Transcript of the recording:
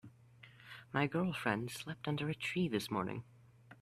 My girlfriend slept under a tree this morning.